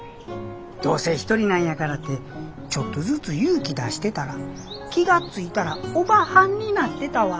どうせ一人なんやからってちょっとずつ勇気出してたら気が付いたらおばはんになってたわ。